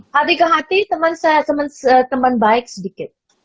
hati ke hati teman baik sedikit